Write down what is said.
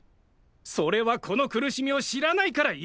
それはこの苦しみを知らないから言えるんだよ！